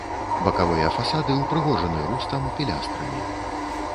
Бакавыя фасады ўпрыгожаны рустам, пілястрамі.